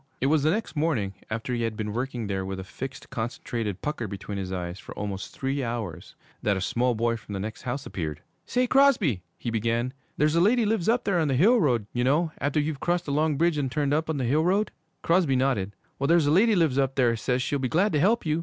It was the next morning, after he had been working there with a fixed, concentrated pucker between his eyes for almost three hours, that a small boy from the next house appeared. 'Say, Crosby.' he began, 'there's a lady lives up there on the hill road you know, after you've crossed the long bridge and turned up on the hill road?' Crosby nodded. 'Well, there's a lady lives up there says she'll be glad to help you.